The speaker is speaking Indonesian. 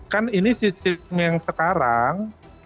kan ini sistem yang sekarang